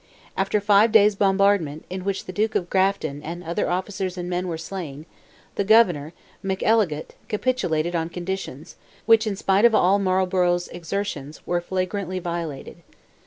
After five days' bombardment, in which the Duke of Grafton, and other officers and men were slain, the Governor, McEligot, capitulated on conditions, which, in spite of all Marlborough's exertions, were flagrantly violated.